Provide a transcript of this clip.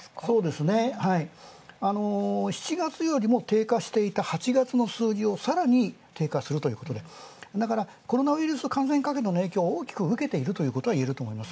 そうですね、７月も低下していた８月の数字よりも更に低下するということで、コロナウイルス感染拡大の影響を大きく受けているといえると思います。